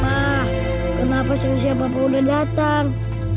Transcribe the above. papa kenapa selisih papa udah datang